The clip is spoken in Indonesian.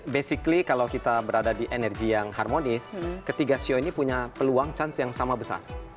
basically kalau kita berada di energi yang harmonis ketiga sio ini punya peluang chance yang sama besar